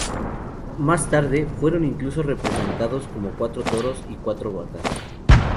Más tarde, fueron incluso representados como cuatro toros y cuatro vacas.